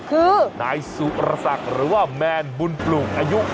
คือนายสุรษัทหรือว่ามัดบุญปลุงอายุ